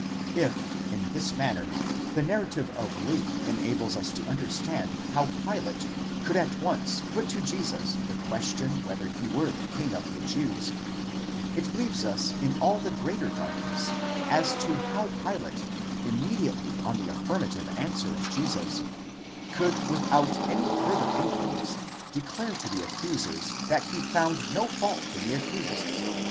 If sa this manner the narrative of Luke enables us to understand how Pilate could at once put to Jesus the question whether he were the king of the Jews ; it leaves us in all the greater darkness as to how Pilate, immedi ately on the affirmative answer of Jesus, could without any further inquiries declare to the accusers that he found no fault in the accused.